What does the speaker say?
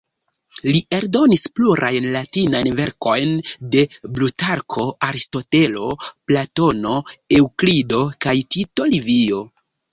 Li eldonis plurajn latinajn verkojn de Plutarko, Aristotelo, Platono, Eŭklido kaj Tito Livio.